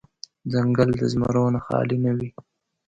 ځنګل د زمرو نه خالې نه وي.